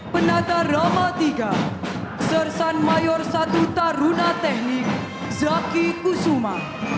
penata rama tiga sersan mayor satu taruna teknik zaki kusuma